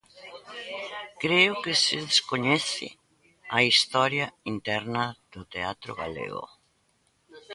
Creo que se descoñece a historia interna do teatro galego.